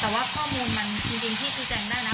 แต่ว่าข้อมูลมันจริงที่ชี้แจงได้นะ